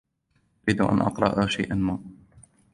أريد أن أقرأ شيئاً ما.